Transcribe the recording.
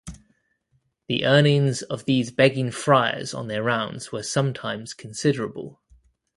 The earnings of these begging friars on their rounds were sometimes considerable